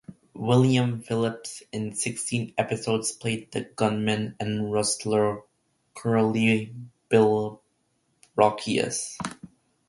William Phipps in sixteen episodes played the gunman and rustler Curly Bill Brocius.